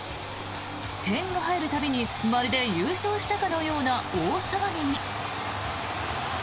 点が入る度にまるで優勝したかのような大騒ぎに。